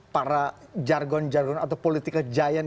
para jargon jargon atau political giant